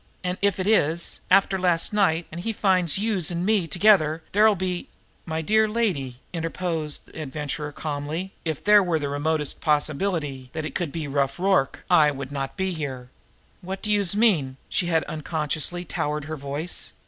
"An' if it is, after last night, an' he finds youse an' me together, dere'll be " "My dear lady," interposed the Adventurer calmly, "if there were the remotest possibility that it could be Rough Rorke, I would not be here." "Wot do youse mean?" She had unconsciously towered her voice.